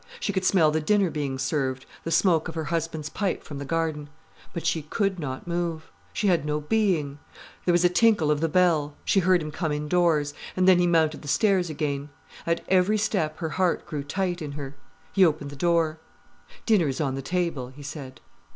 She could smell the dinner being served, the smoke of her husband's pipe from the garden. But she could not move. She had no being. There was a tinkle of the bell. She heard him come indoors. And then he mounted the stairs again. At every step her heart grew tight in her. He opened the door. "Dinner is on the table," he said.